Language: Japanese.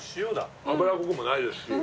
脂っこくもないですし。